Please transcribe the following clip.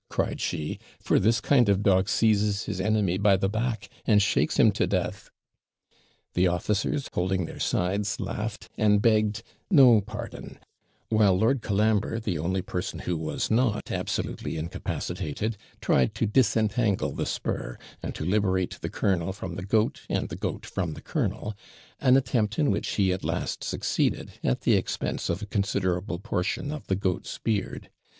cried she; 'for this kind of dog seizes his enemy by the back, and shakes him to death.' The officers, holding their sides, laughed, and begged no pardon; while Lord Colambre, the only person who was not absolutely incapacitated, tried to disentangle the spur, and to liberate the colonel from the goat, and the goat from the colonel; an attempt in which he at last succeeded, at the expense of a considerable portion of the goat's beard.